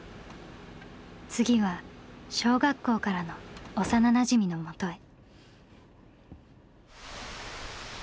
次は小学校からの幼なじみのもとへ。